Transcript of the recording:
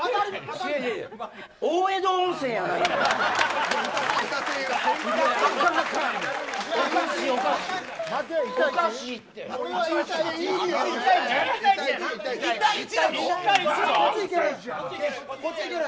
大江戸温泉やないんやから。